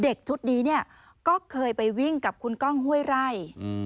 เด็กชุดนี้เนี่ยก็เคยไปวิ่งกับคุณก้องห้วยไร่